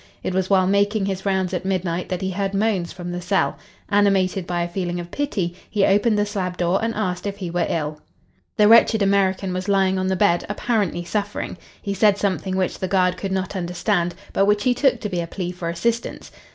It was while making his rounds at midnight that he heard moans from the cell. Animated by a feeling of pity he opened the slab door and asked if he were ill. The wretched American was lying on the bed, apparently suffering. He said something which the guard could not understand but which he took to be a plea for assistance.